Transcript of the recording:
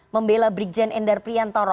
membela beriksaan ender priantoro